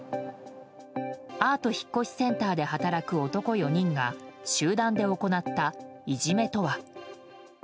アート引越センターで働く男４人が集団で行ったいじめとは。